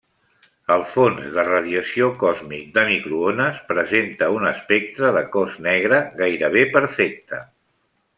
El fons de radiació còsmic de microones presenta un espectre de cos negre gairebé perfecte.